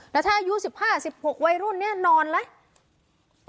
แล้วถ้าอายุสิบห้าสิบหกวัยรุ่นนี้นอนแล้ว